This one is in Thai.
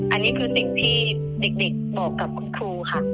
อันนี้คือสิ่งที่เด็กบอกกับคุณครูค่ะ